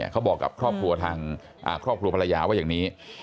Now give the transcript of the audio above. เขาบอกกับครอบครัวทางครอบครัวภรรยาว่าอย่างนี้